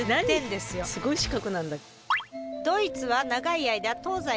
すごい四角なんだ。